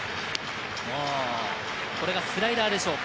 これはスライダーでしょうか？